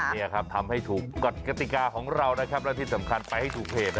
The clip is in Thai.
นี่ครับทำให้ถูกกฎกติกาของเรานะครับและที่สำคัญไปให้ถูกเพจ